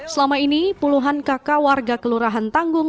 selama ini puluhan kakak warga kelurahan tanggung